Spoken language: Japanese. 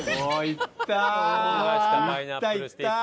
いったいった！